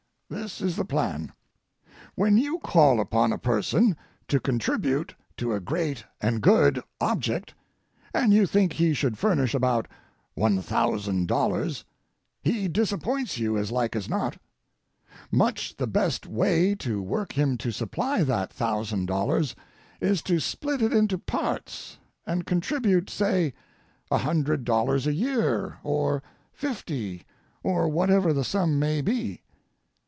This is the plan: When you call upon a person to contribute to a great and good object, and you think he should furnish about $1,000, he disappoints you as like as not. Much the best way to work him to supply that thousand dollars is to split it into parts and contribute, say a hundred dollars a year, or fifty, or whatever the sum maybe.